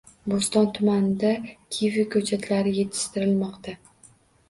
Bo‘ston tumanida kivi ko‘chatlari yetishtirilmoqda